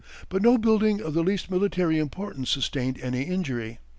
But no building of the least military importance sustained any injury.